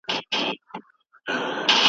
ځینې کبان ویټامن ډي لري.